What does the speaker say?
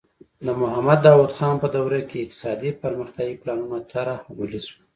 د محمد داؤد خان په دوره کې اقتصادي پرمختیايي پلانونه طرح او عملي شول.